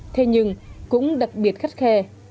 thế nhưng cũng đặc biệt khắt khe